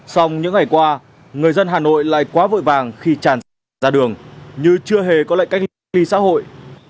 song những ngày qua người dân hà nội lại quá vội vàng khi chàn xe ra đường như chưa hề có lệnh cách ly xã hội